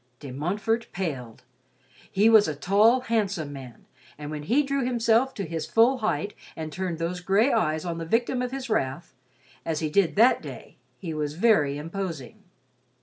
De Montfort paled. He was a tall, handsome man, and when he drew himself to his full height and turned those gray eyes on the victim of his wrath, as he did that day, he was very imposing.